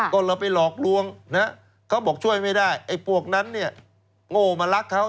ก็เลยไปหลอกลวงนะเขาบอกช่วยไม่ได้ไอ้พวกนั้นเนี่ยโง่มารักเขา